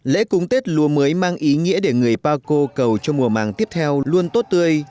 lễ cúng tết lúa mới mang ý nghĩa để người paco cầu cho mùa màng tiếp theo luôn tốt tươi